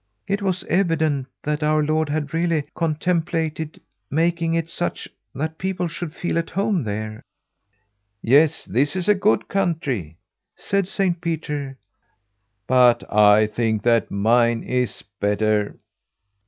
It was evident that our Lord had really contemplated making it such that people should feel at home there. 'Yes, this is a good country,' said Saint Peter, 'but I think that mine is better.'